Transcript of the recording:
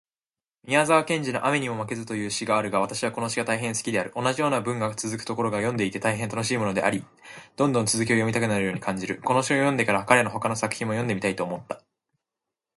宮沢賢治のアメニモマケズという詩があるが私はこの詩が大変好きである。同じような文がつづくところが読んでいて大変楽しいものであり、どんどん続きを読みたくなるように感じる。この詩を読んでから、彼の他の作品も読んでみたいと思った。